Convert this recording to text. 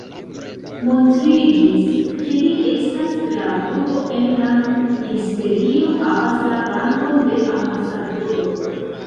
Montriĝis, ke li estas gravulo en la ministerio, havas la rangon de ambasadoro.